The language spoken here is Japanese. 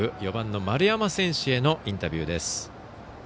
４番の丸山選手へのインタビューです。